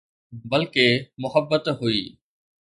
بلڪه محبت هئي